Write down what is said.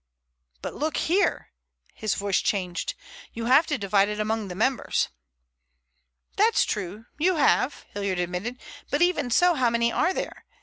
But look here,"—his voice changed—"you have to divide it among the members." "That's true, you have," Hilliard admitted, "but even so—how many are there?